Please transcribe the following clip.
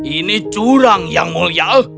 ini curang yang mulia